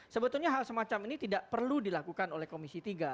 sebetulnya hal semacam ini tidak perlu dilakukan oleh komisi tiga